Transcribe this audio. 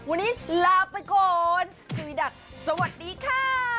วันนี้ลาไปก่อนสวัสดีค่ะ